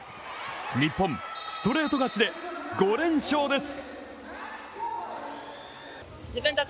日本ストレート勝ちで５連勝です。